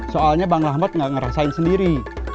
soalnya bang lambat nggak ngerasain sendiri